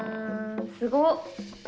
すごっ。